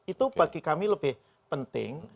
itu bagi kami lebih penting